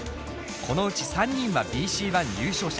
このうち３人はＢＣＯｎｅ優勝者。